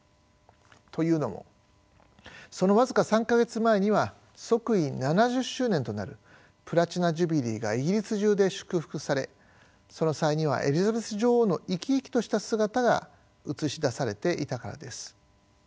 というのもその僅か３か月前には即位７０周年となるプラチナ・ジュビリーがイギリス中で祝福されその際にはエリザベス女王の生き生きとした姿が映し出されていたからです。